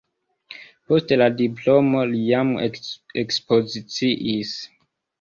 Post la diplomo li jam ekspoziciis.